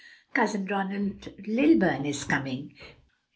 Cousin Ronald Lilburn is coming.